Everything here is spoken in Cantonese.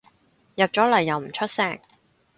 入咗嚟又唔出聲